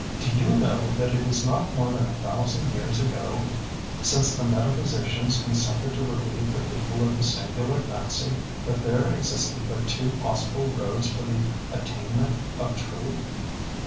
Do you know that it is not more than a thousand years ago since the metaphysicians consented to relieve the people of the singular fancy that there existed but two possible roads for the attainment of Truth!